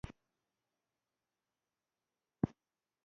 د خپلو خوشالیو هم زیاته کوئ پوه شوې!.